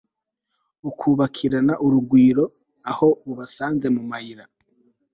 bukabakirana urugwiro aho bubasanze mu mayira